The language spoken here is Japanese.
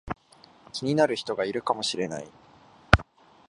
気になる人がいるかもしれない